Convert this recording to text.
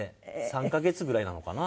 ３カ月ぐらいなのかな？